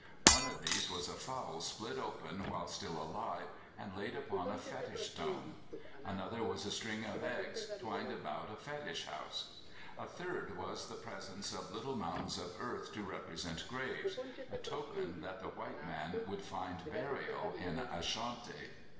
One of these was a fowl split open while still alive, and laid upon a fetish stone; another was a string of eggs twined about a fetish house; a third was the presence of little mounds of earth to represent graves a token that the white man would find burial in Ashanti.